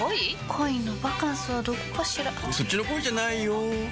恋のバカンスはどこかしらそっちの恋じゃないよ